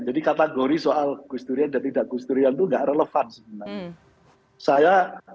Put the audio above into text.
jadi kategori soal gus durian dan tidak gus durian itu nggak relevan sebenarnya